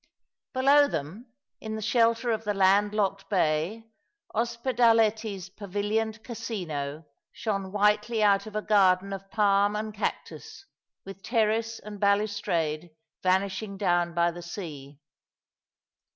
Below them, in the shelter of the land locked bay, Ospeda Ictti's pavilioned Casino shone whitely out of a garden of palm and cactus, with terrace and balustrade vanishing down by the sea.